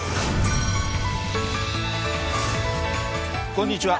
こんにちは。